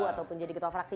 ataupun jadi ketua fraksi